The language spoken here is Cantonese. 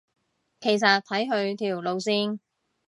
其實睇佢條路線